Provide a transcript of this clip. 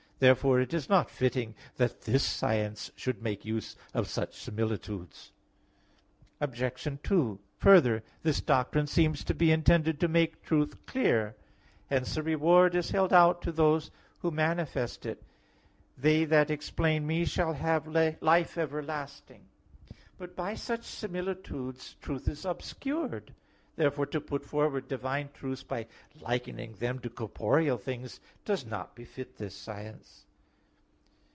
Therefore it is not fitting that this science should make use of such similitudes. Obj. 2: Further, this doctrine seems to be intended to make truth clear. Hence a reward is held out to those who manifest it: "They that explain me shall have life everlasting" (Ecclus. 24:31). But by such similitudes truth is obscured. Therefore, to put forward divine truths by likening them to corporeal things does not befit this science.